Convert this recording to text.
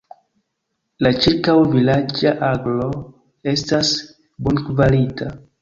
La ĉirkaŭ-vilaĝa agro estas bonkvalita.